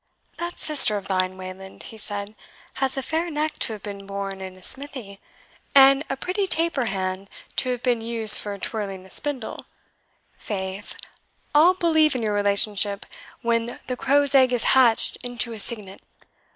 "That sister of thine, Wayland," he said, "has a fair neck to have been born in a smithy, and a pretty taper hand to have been used for twirling a spindle faith, I'll believe in your relationship when the crow's egg is hatched into a cygnet."